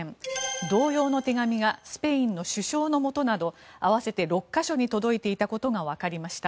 同様の手紙がスペインの首相のもとなど合わせて６か所に届いていたことがわかりました。